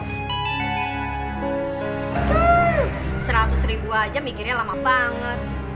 seratus ribu aja mikirnya lama banget